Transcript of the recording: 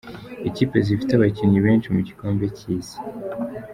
Ikipe zifite abakinnyi benshi mu gikombe cy’Isi.